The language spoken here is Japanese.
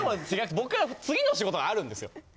僕は次の仕事があるんですよ。